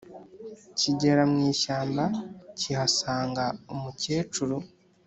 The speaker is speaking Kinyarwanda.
kigera mw ishyamba kihasanga umukecuru